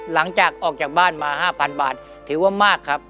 หลังจากออกจากบ้านมา๕๐๐๐บาทถือว่ามากครับ